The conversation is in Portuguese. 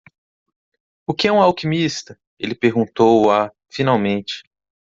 "O que é um alquimista?", ele perguntou a? finalmente.